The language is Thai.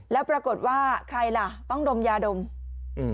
แล้วปรากฏว่าใครล่ะต้องดมยาดมอืม